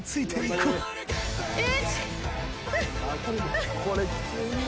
１。